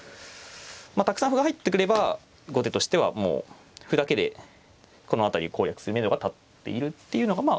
たくさん歩が入ってくれば後手としてはもう歩だけでこの辺りを攻略するめどが立っているっていうのがまあ